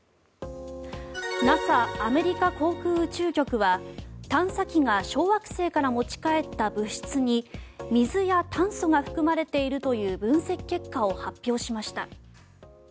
ＮＡＳＡ・アメリカ航空宇宙局は探査機が小惑星から持ち帰った物質に水や炭素が含まれているという分析結果を発表しました。